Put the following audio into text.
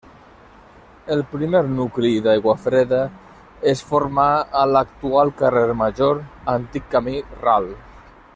El primer nucli d'Aiguafreda es formà a l'actual carrer Major, antic camí ral.